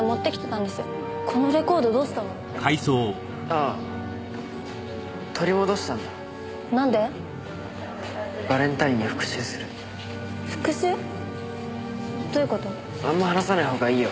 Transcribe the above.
あんま話さないほうがいいよ。